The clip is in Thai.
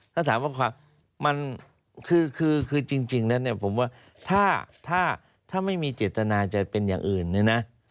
ถ้าถามว่ามันคือจริงแล้วเนี่ยผมว่าถ้าไม่มีเจตนาจะเป็นอย่างอื่นเนี่ยนะ